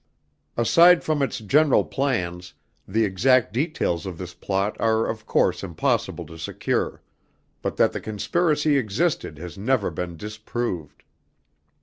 Aside from its general plans, the exact details of this plot are of course impossible to secure. But that the conspiracy existed has never been disproved.